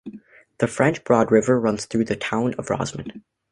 The French Broad River runs through the town of Rosman.